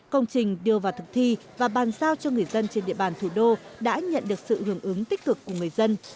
công trình đưa vào thực thi và bàn giao cho người dân trên địa bàn thủ đô đã nhận được sự hưởng ứng tích cực của người dân